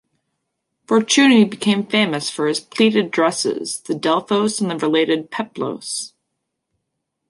Fortuny became famous for his pleated dresses, the "Delphos" and the related "Peplos".